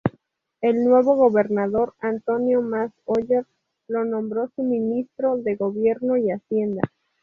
El nuevo gobernador, Antonio Mas Oller, lo nombró su ministro de gobierno y hacienda.